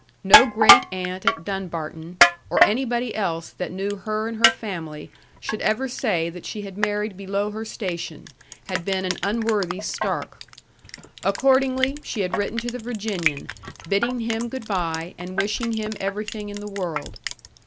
No great aunt at Dunbarton, or anybody else that knew her and her family, should ever say that she had married below her station, had been an unworthy Stark! Accordingly, she had written to the Virginian, bidding him good by, and wishing him everything in the world.